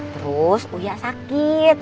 terus uya sakit